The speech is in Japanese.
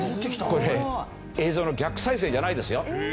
これ映像の逆再生じゃないですよ。